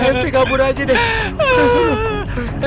mp kabur aja deh